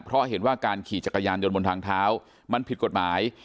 เพราะเห็นว่าการขี่จักรยานยนต์บนทางเท้ามันผิดกฎหมาย